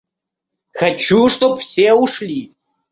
Хочу чтоб все ушли!